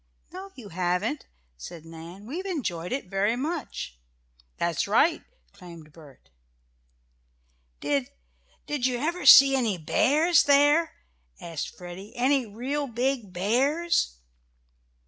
"No you haven't," said Nan. "We enjoyed it very much." "That's right!" exclaimed Bert. "Did did you ever see any bears there?" asked Freddie, "any real big bears?"